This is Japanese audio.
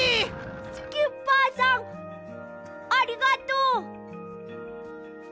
スキッパーさんありがとう！